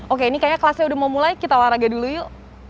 oke ini kayaknya kelasnya udah mau mulai kita olahraga dulu yuk